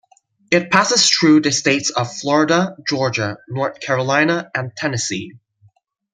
It passes through the states of Florida, Georgia, North Carolina, and Tennessee.